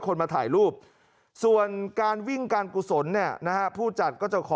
คนมาถ่ายรูปส่วนการวิ่งการกุศลเนี่ยนะฮะผู้จัดก็จะขอ